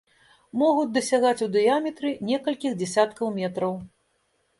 Могуць дасягаць у дыяметры некалькіх дзесяткаў метраў.